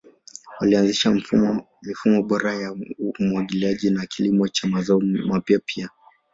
Walianzisha mifumo bora ya umwagiliaji na kilimo cha mazao mapya pia.